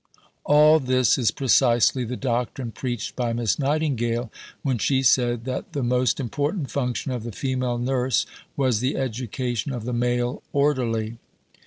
" All this is precisely the doctrine preached by Miss Nightingale when she said that the most important function of the female nurse was the education of the male orderly.